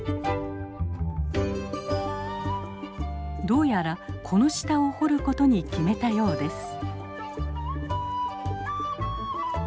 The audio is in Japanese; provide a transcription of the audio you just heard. どうやらこの下を掘ることに決めたようです。